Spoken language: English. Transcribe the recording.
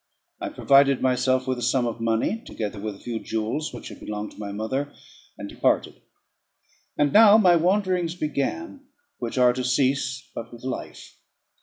I provided myself with a sum of money, together with a few jewels which had belonged to my mother, and departed. And now my wanderings began, which are to cease but with life.